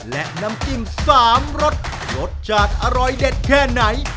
และน้ำจิ้ม๓รสรสชาติอร่อยเด็ดแค่ไหน